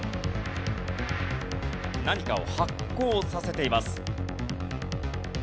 何かを発酵させています。